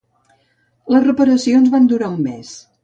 Les reparacions van durar un mes.